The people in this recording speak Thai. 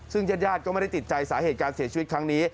ซึ่งญาติญาติก็ไม่ได้ติดใจสาเหตุการเสียชีวิตครั้งนี้